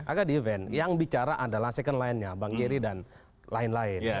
agak defend yang bicara adalah second linenya bang jerry dan lain lain